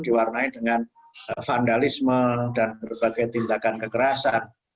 diwarnai dengan vandalisme dan berbagai tindakan kekerasan